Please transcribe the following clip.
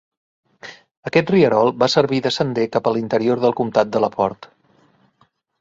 Aquest rierol va servir de sender cap a l'interior del comtat de LaPorte.